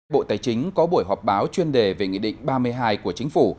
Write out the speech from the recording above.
bộ tài chính có buổi họp báo chuyên đề về nghị định ba mươi hai của chính phủ